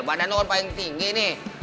badan lu orang paling tinggi nih